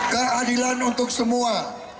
keadilan untuk semua